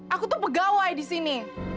aku tuh pegawai di sini